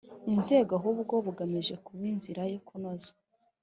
Inzego ahubwo bugamije kuba inzira yo kunoza